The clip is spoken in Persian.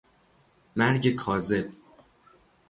مرگ کاذب